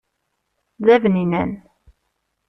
D abninan.